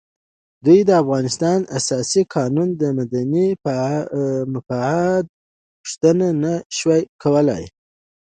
دوی د افغانستان د اساسي قانون د مدني مفاد پوښتنه نه شوای کولای.